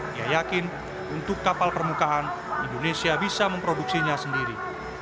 dia yakin untuk kapal permukaan indonesia bisa memproduksinya sendiri